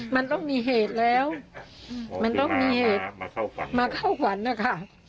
มันต้องมีเหตุแล้วมันต้องมีเหตุมาเข้าฝันนะคะ